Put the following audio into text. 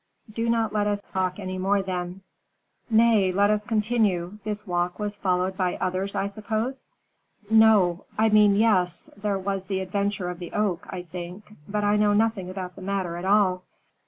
"Do not let us talk any more, then." "Nay, let us continue. This walk was followed by others, I suppose?" "No I mean yes: there was the adventure of the oak, I think. But I know nothing about the matter at all."